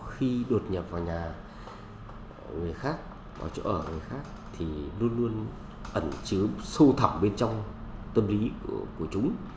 khi đột nhập vào nhà người khác vào chỗ ở người khác thì luôn luôn ẩn chứa sâu thẳng bên trong tâm lý của chúng